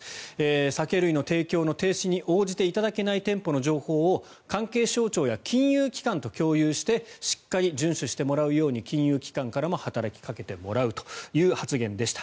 酒類の提供の停止に応じていただけない店舗の情報を関係省庁や金融機関と共有してしっかり順守してもらうように金融機関からも働きかけてもらうという発言でした。